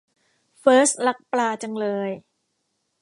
เฟิสท์รักปลาจังเลย